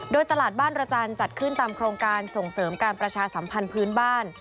โดยตลาดบ้านระจันทร์จัดขึ้นตามโครงการส่งเสริมการประชาสัมพันธ์พื้นบ้าน